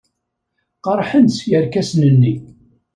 Qerḥen-tt yerkasen-nni.